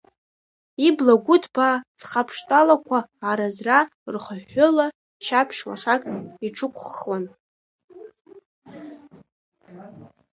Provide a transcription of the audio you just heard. Ибла гәыҭбаа цхаԥштәалақәа аразра рхыҳәҳәыла, ччаԥшь лашак иҿықәххуан.